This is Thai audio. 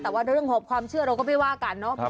แต่ว่าเรื่องของความเชื่อเราก็ไม่ว่ากันเนอะ